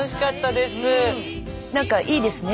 何かいいですね。